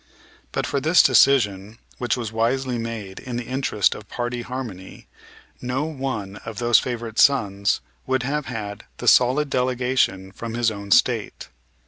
But for this decision, which was wisely made in the interest of party harmony, no one of those "favorite sons" would have had the solid delegation from his own State.